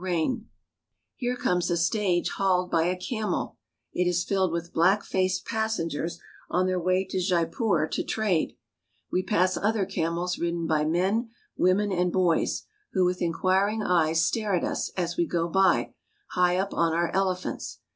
CARP. ASIA — 18 294 THE NATIVE^ STATES OF INDIA Here comes a stage hauled by a camel. It is filled with black faced passengers on their way to Jaipur to trade. We pass other camels ridden by men, women, and boys, who with inquiring eyes stare at us, as we go by, high up on our elephants.